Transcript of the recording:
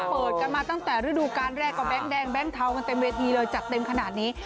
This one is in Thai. เปิดกันมาตั้งแต่ฤดูการแรกก็แก๊งแดงแบงค์เทากันเต็มเวทีเลยจัดเต็มขนาดนี้